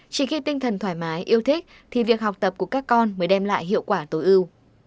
chỉ khi tinh thần thoải mái yêu thích thì việc học tập của các con mới đem lại hiệu quả tối ưu